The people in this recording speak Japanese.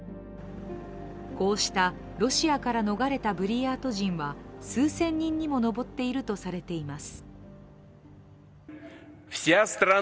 こうした、ロシアから逃れたブリヤート人は数千人にも上っているとされています。